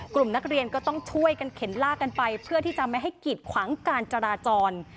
กลุ่มนักเรียนก็ต้องช่วยกันเข็นลากกันไปเพื่อที่จะไม่ให้กีดขวางการจราจร